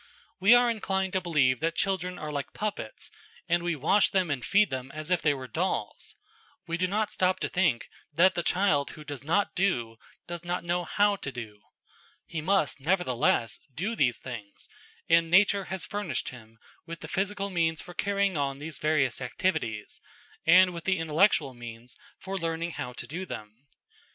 We are inclined to believe that children are like puppets, and we wash them and feed them as if they were dolls. We do not stop to think that the child who does not do, does not know how to do. He must, nevertheless, do these things, and nature has furnished him with the physical means for carrying on these various activities, and with the intellectual means for learning how to do them.